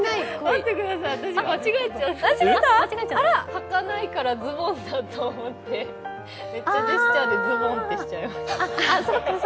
待ってください、私間違えちゃってはかないからズボンだと思ってめっちゃジェスチャーでズボンってしちゃいました。